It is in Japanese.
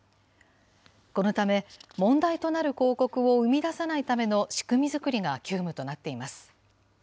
このため、問題となる広告を生み出さないための仕組み作りが急務となっています。